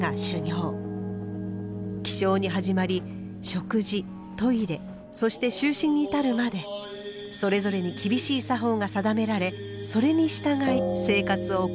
起床に始まり食事トイレそして就寝に至るまでそれぞれに厳しい作法が定められそれに従い生活を送ります。